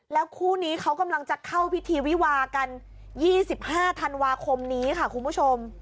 คู่นี้เขากำลังจะเข้าพิธีวิวากัน๒๕ธันวาคมนี้ค่ะคุณผู้ชม